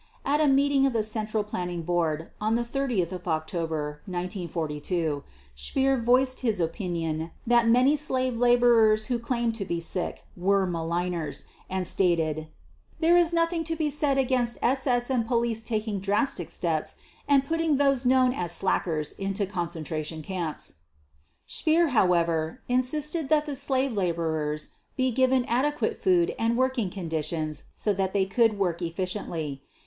At a meeting of the Central Planning Board on 30 October 1942, Speer voiced his opinion that many slave laborers who claimed to be sick were malingerers and stated: "There is nothing to be said against SS and police taking drastic steps and putting those known as slackers into concentration camps." Speer, however, insisted that the slave laborers be given adequate food and working conditions so that they could work efficiently.